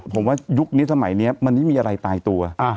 ผมว่ายุคนี้สมัยนี้มันไม่มีอะไรตายตัว